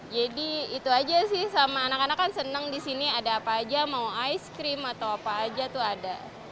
jadi itu aja sih sama anak anak kan seneng disini ada apa aja mau ice cream atau apa aja tuh ada